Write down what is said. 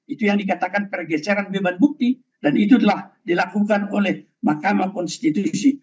itu yang dikatakan pergeseran beban bukti dan itu telah dilakukan oleh mahkamah konstitusi